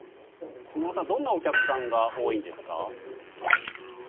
どんなお客さんが多いんですか？